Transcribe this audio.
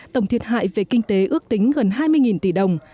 tổng thiệt hại về kinh tế ước tính gần hai mươi tỷ đồng